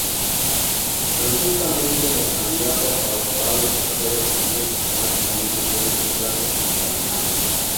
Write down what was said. Presuntamente, los candidatos a doctorado extranjeros recibían sistemáticamente peores contratos que los alemanes.